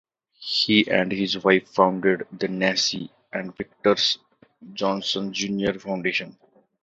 He and his wife founded the Nancy and Victor S. Johnson Junior Foundation.